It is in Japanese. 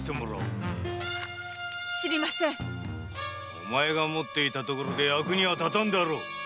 お前が持っていたところで役には立たんであろう。